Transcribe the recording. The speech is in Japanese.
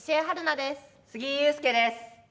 杉井勇介です。